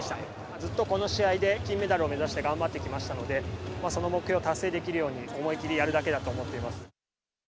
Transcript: ずっとこの試合で金メダルを目指して頑張ってきましたので、その目標を達成できるように、思い切りやるだけだと思っていま